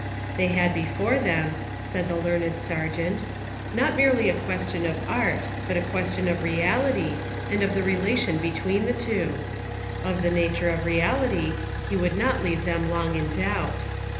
They had before them, said the learned Sergeant, not merely a ques tion of art, but a question of reality, and of 209 Essays and Literary Studies the relation between the two. Of the nature of reahty he would not leave them long in doubt.